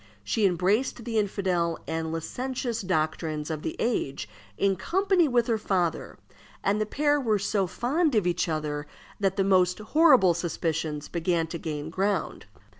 She embraced the infidel and licentious doctrines of the age in company with her father, and the pair were so fond of each other that the most horrible suspicions began to gain ground.